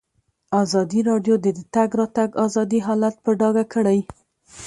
ازادي راډیو د د تګ راتګ ازادي حالت په ډاګه کړی.